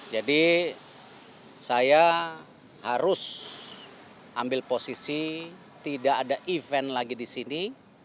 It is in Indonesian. jadi saya harus ambil posisi tidak ada event lagi di sini